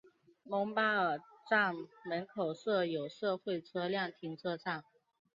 蒙巴尔站门口设有社会车辆停车场。